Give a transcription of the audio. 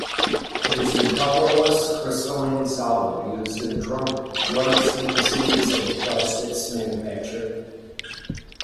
It is a colorless crystalline solid used in drug syntheses and plastics manufacture.